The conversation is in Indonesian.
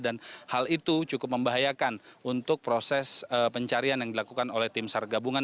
dan hal itu cukup membahayakan untuk proses pencarian yang dilakukan oleh tim sar gabungan